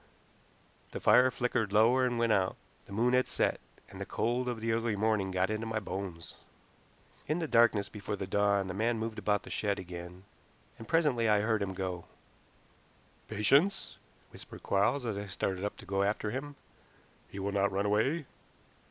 The fire flickered lower and went out. The moon had set, and the cold of the early morning got into my bones. In the darkness before the dawn the man moved about the shed again, and presently I heard him go. "Patience!" whispered Quarles, as I started up to go after him. "He will not run away."